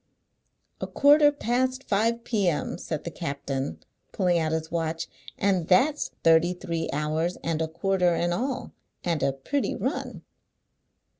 "A quarter past five p.m.," said the captain, pulling out his watch, "and that's thirty three hours and a quarter in all, and a pritty run!"